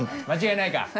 間違いないか？